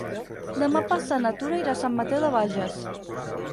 Demà passat na Tura irà a Sant Mateu de Bages.